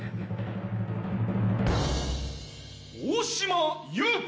大島優子！